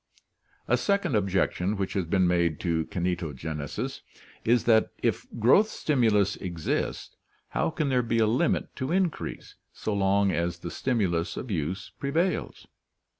A second objection which has been made to kinetogenesis is that if growth stimulus exist, how can there be a limit to increase, so long as the stimulus of use prevails?